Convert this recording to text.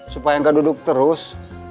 supaya gak duduk terus